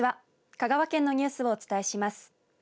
香川県のニュースをお伝えします。